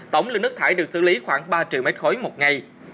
tổng lượng nước thải được xử lý khoảng ba triệu mét khối một ngày